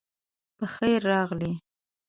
پخير راغلئ